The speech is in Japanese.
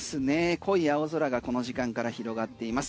濃い青空がこの時間から広がっています。